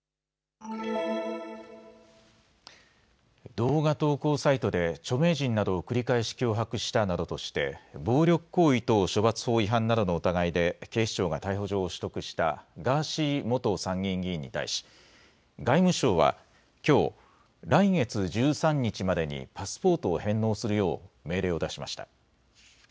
動画投稿サイトで著名人などを繰り返し脅迫したなどとして、暴力行為等処罰法違反などの疑いで警視庁が逮捕状を取得したガーシー元参議院議員に対し、外務省はきょう、来月１３日までにパスポートを返納するよう命令を出しました。